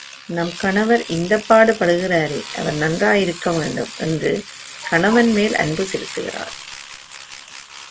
நம் கணவர் இந்தப்பாடு படுகிறாரே அவர் நன்றாய் இருக்க வேண்டும் என்று கணவன்மேல் அன்பு செலுத்துகிறாள்.